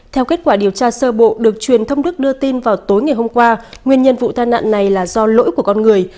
theo kết quả điều tra sơ bộ được truyền thông đức đưa tin vào tối ngày hôm qua nguyên nhân vụ tai nạn này là do lỗi của con người